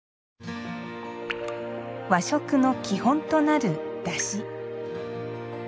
和食の基本となるだし。